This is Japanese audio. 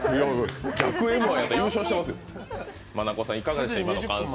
逆「Ｍ−１」やったら優勝してますよ。